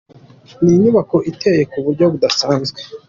Ni inyubako iteye ku buryo budasanzwe.